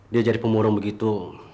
dia jadi pemurung begitu